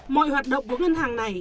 mọi hoạt động của ngân hàng này